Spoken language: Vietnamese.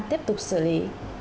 tiếp tục xử lý